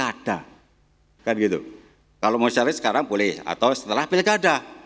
ada kan gitu kalau mau cari sekarang boleh atau setelah pilkada